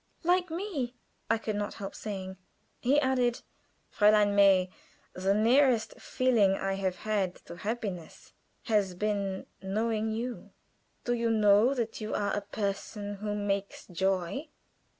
_" "Like me," I could not help saying. He added: "Fräulein May, the nearest feeling I have had to happiness has been the knowing you. Do you know that you are a person who makes joy?"